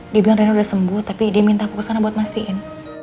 dia bilang reno udah sembuh tapi dia minta aku kesana buat mastiin